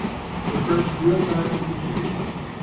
The French reeled back in confusion.